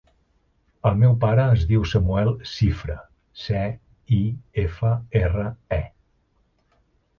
El meu pare es diu Samuel Cifre: ce, i, efa, erra, e.